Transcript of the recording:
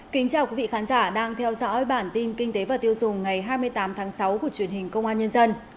chào mừng quý vị đến với bản tin kinh tế và tiêu dùng ngày hai mươi tám tháng sáu của truyền hình công an nhân dân